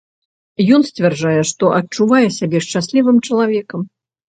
Ён сцвярджае, што адчувае сябе шчаслівым чалавекам.